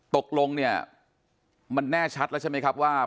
ตกลงเนี่ยมันแน่ชัดแล้วใช่ไหมครับว่า